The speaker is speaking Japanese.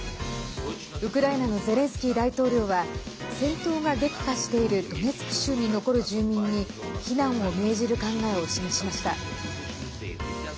ウクライナのゼレンスキー大統領は戦闘が激化しているドネツク州に残る住民に避難を命じる考えを示しました。